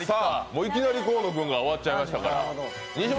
いきなり河野君が終わっちゃいましたから。